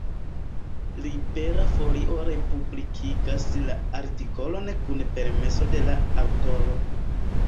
Libera Folio republikigas la artikolon kun permeso de la aŭtoro.